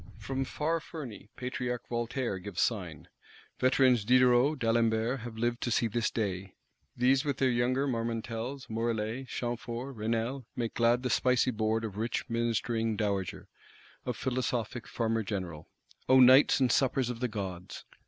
From far Ferney, Patriarch Voltaire gives sign: veterans Diderot, D'Alembert have lived to see this day; these with their younger Marmontels, Morellets, Chamforts, Raynals, make glad the spicy board of rich ministering Dowager, of philosophic Farmer General. O nights and suppers of the gods!